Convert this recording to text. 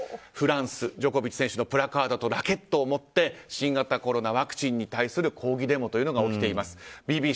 フランス、ジョコビッチ選手のプラカードとラケットを持って新型コロナワクチンに対する抗議デモというのが起きています。